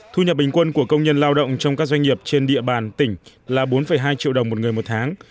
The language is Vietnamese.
thu nhập bình quân của công nhân lao động trong các doanh nghiệp trên địa bàn tỉnh là bốn hai triệu đồng một người một tháng